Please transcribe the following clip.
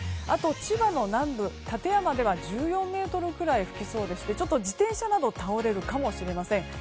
あと、千葉の南部館山では１４メートルくらい吹きそうでして自転車などが倒れるかもしれません。